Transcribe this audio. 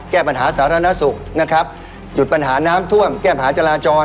แก้ปัญหาสาธารณสุขนะครับหยุดปัญหาน้ำท่วมแก้ปัญหาจราจร